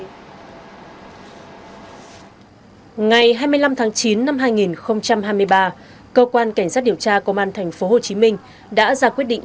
ngày hai mươi năm tháng chín năm hai nghìn hai mươi ba cơ quan cảnh sát điều tra công an thành phố hồ chí minh đã ra quyết định